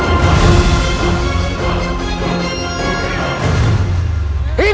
dan menangkan kekuasaan